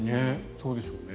そうでしょうね。